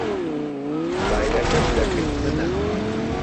مۆبایلەکەت لەکن منە.